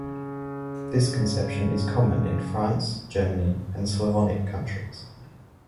This conception is common in France, Germany, and Slavonic countries.